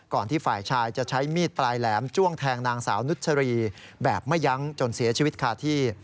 ที่ฝ่ายชายจะใช้มีดปลายแหลมจ้วงแทงนางสาวนุชรีแบบไม่ยั้งจนเสียชีวิตคาที่